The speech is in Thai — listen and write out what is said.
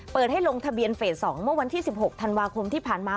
เปิดให้ลงทะเบียนเฟส๒เมื่อวันที่๑๖ธันวาคมที่ผ่านมา